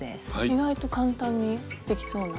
意外と簡単にできそうな。